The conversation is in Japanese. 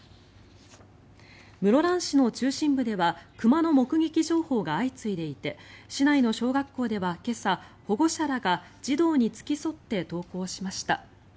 室蘭市の中心部では熊の目撃情報が相次いでいて市内の小学校では今朝保護者らが児童に付き添って登校しました。